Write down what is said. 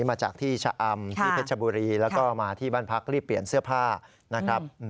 มาจากที่ชะอำที่เพชรบุรีแล้วก็มาที่บ้านพักรีบเปลี่ยนเสื้อผ้านะครับ